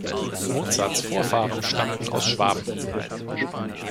Mozarts Vorfahren stammten aus Schwaben.